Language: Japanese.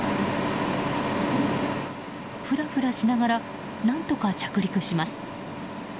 フラフラしながら何とか着陸します。